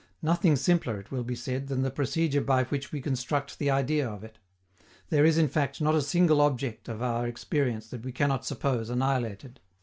Nothing simpler, it will be said, than the procedure by which we construct the idea of it. There is, in fact, not a single object of our experience that we cannot suppose annihilated.